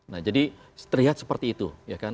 nah jadi terlihat seperti itu